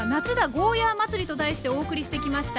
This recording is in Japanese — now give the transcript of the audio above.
ゴーヤー祭り」と題してお送りしてきました。